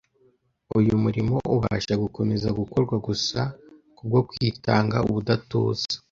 Uyu murimo ubasha gukomeza gukorwa gusa kubwo kwitanga ubudatuza.